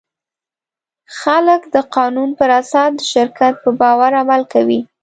خلک د قانون پر اساس د شرکت په باور عمل کوي.